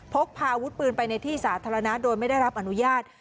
พกพาอาวุธปืนไปในที่สาธารณะโดยไม่ได้รับอนุญาต